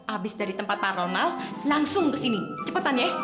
abis dari tempat pak ronald langsung kesini cepetan ya